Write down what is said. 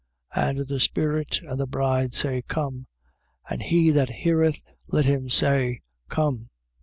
22:17. And the spirit and the bride say: Come. And he that heareth, let him say: Come.